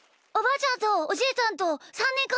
ちゃんとおじいちゃんと３にんかぞくです。